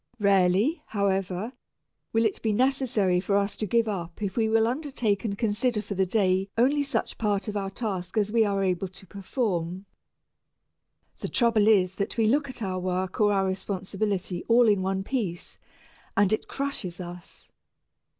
Rarely, however, will it be necessary for us to give up if we will undertake and consider for the day only such part of our task as we are able to perform. The trouble is that we look at our work or our responsibility all in one piece, and it crushes us.